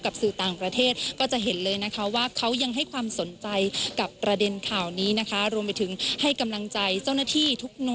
ก็หนูหวังว่าเขาก็จะเจอเด็กเร็วเร็วนี้ค่ะแล้วก็จะไม่ให้อะไรอย่างนี้มันเกิดขึ้นอีก